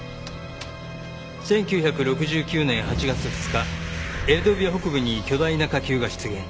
１９６９年８月２日エルドビア北部に巨大な火球が出現。